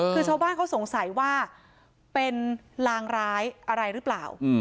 คือชาวบ้านเขาสงสัยว่าเป็นลางร้ายอะไรหรือเปล่า